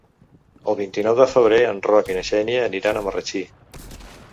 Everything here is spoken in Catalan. El vint-i-nou de febrer en Roc i na Xènia aniran a Marratxí.